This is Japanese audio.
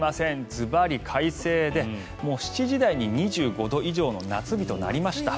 ズバリ快晴で７時台に２５度以上の夏日となりました。